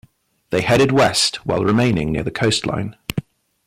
They headed west while remaining near the coastline.